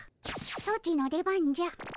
ソチの出番じゃ。